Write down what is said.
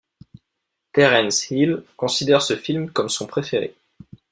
Terence Hill considère ce film comme son préféré.